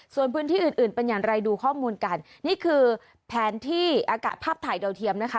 ส่วนพื้นที่อื่นอื่นเป็นอย่างไรดูข้อมูลกันนี่คือแผนที่อากาศภาพถ่ายดาวเทียมนะคะ